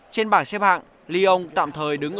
trên bảng xếp hạng lyon tạm thời đứng